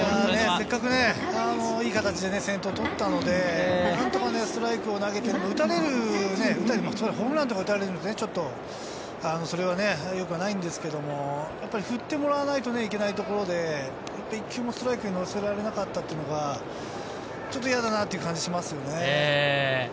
せっかくいい形で先頭を取ったので、何とかストライクを投げて、ホームランとか打たれると、ちょっとそれはよくないんですけれども、振ってもらわないといけないところで、一球もストライクに乗せられなかったっていうのが、ちょっと嫌だなっていう感じがしますよね。